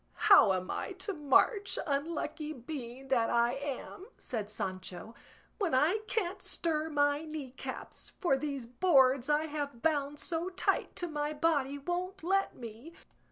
"How am I to march, unlucky being that I am?" said Sancho, "when I can't stir my knee caps, for these boards I have bound so tight to my body won't let me.